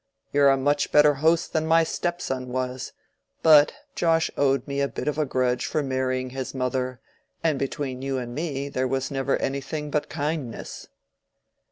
You're a much better host than my stepson was; but Josh owed me a bit of a grudge for marrying his mother; and between you and me there was never anything but kindness."